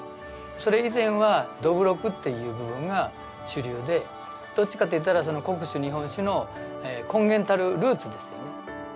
それ以前はどぶろくっていう部分が主流でどっちかっていったら國酒日本酒の根源たるルーツですよね。